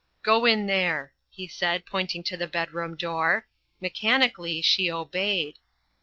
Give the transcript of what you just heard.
'Go in there,' he said, pointing to the bedroom door. Mechanically she obeyed."